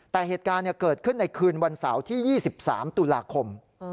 แต่เหตุการณ์เกิดขึ้นในคืนวันเสาร์ที่๒๓ตุลาคม